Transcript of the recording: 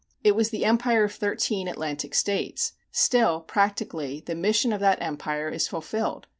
It was the empire of thirteen Atlantic states. Still, practically, the mission of that empire is fulfilled.